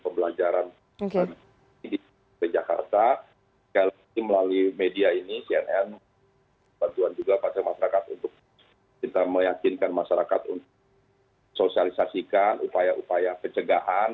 melalui media ini cnn bantuan juga masyarakat untuk kita meyakinkan masyarakat untuk sosialisasikan upaya upaya pencegahan